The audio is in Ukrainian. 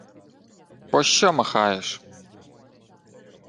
— Пощо махаєш?